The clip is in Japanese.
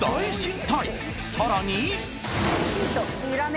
［さらに］